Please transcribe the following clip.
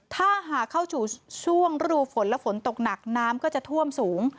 ถ้าหากเข้าสู่ช่วงรูฝนและฝนตกหนักน้ำก็จะท่วมสูง